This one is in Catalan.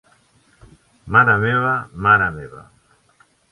Mare meva, mare meva.